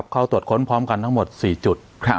เข้าตรวจค้นพร้อมกันทั้งหมด๔จุด